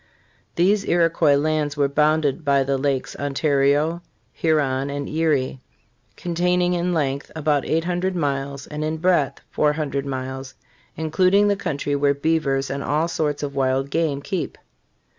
These Iroquois lands were bounded by the Lakes Ontario, Huron and Erie, "containing in length about 800 miles and in breadth 400 miles, including the country where beavers and all sorts of wild game keep."